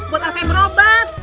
buat ase merobat